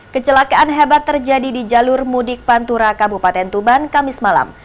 kecelakaan hebat terjadi di jalur mudik pantura kabupaten tuban kamis malam